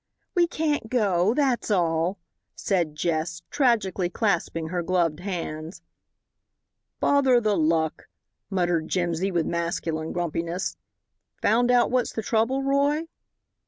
"We can't go, that's all," said Jess, tragically clasping her gloved hands. "Bother the luck," muttered Jimsy, with masculine grumpiness. "Found out what's the trouble, Roy?"